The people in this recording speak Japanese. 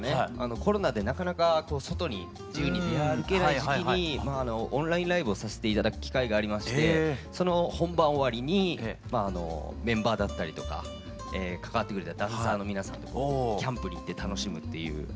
コロナでなかなか外に自由に出歩けない時期にオンラインライブをさせて頂く機会がありましてその本番終わりにメンバーだったりとか関わってくれたダンサーの皆さんとキャンプに行って楽しむっていう。